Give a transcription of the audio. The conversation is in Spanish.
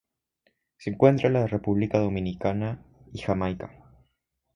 Se encuentra en la República Dominicana y Jamaica.